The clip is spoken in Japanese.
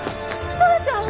トラちゃん。